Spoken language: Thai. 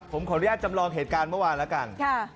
ผมขออนุญาตจำลองเหตุการณ์เมื่อวานแล้วกัน